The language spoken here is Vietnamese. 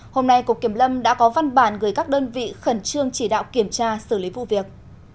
hôm nay cục kiểm lâm đã có văn bản gửi các đơn vị khẩn trương chỉ đạo kiểm tra xử lý vụ việc